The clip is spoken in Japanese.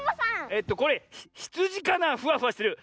えっとこれひつじかなフワフワしてる。